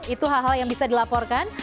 itu hal hal yang bisa dilaporkan